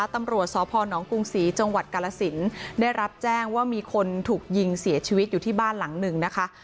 ตำรวจสพนกรุงศรีจังหวัดกาลสินได้รับแจ้งว่ามีคนถูกยิงเสียชีวิตอยู่ที่บ้านหลังหนึ่งนะคะ